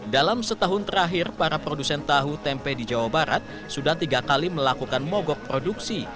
dalam setahun terakhir para produsen tahu tempe di jawa barat sudah tiga kali melakukan mogok produksi